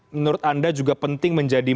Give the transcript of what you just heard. menurut anda juga penting menjadi